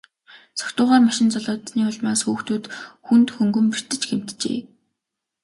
Согтуугаар машин жолоодсоны улмаас хүүхдүүд хүнд хөнгөн бэртэж гэмтжээ.